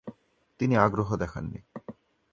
তিনি আগ্রহ দেখান নি।